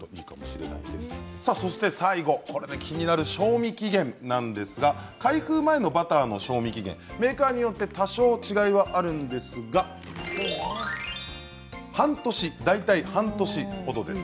最後、気になる賞味期限なんですが開封前のバターの賞味期限メーカーによって多少違いはあるんですが大体、半年ほどです。